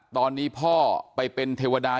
ตอนนี้พ่อไปเป็นเทวดา